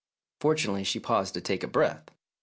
Fortunately she paused to take breath.